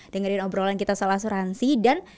dengerin obrolan kita soal asuransi dan